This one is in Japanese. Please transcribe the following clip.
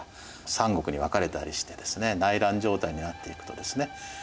三国に分かれたりしてですね内乱状態になっていくとですね